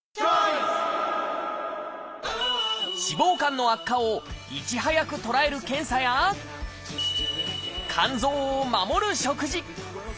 脂肪肝の悪化をいち早く捉える検査や肝臓を守る食事。